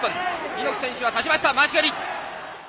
猪木選手は立ちました回し蹴り。